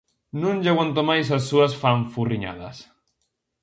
Non lle aguanto máis as súas fanfurriñadas.